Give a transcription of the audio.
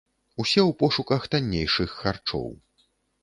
Усе ў пошуках таннейшых харчоў.